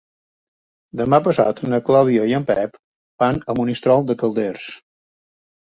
Demà passat na Clàudia i en Pep van a Monistrol de Calders.